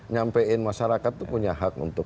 nyampein masyarakat itu punya hak untuk